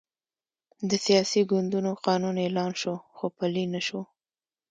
د سیاسي ګوندونو قانون اعلان شو، خو پلی نه شو.